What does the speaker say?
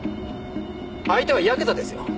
相手はヤクザですよ？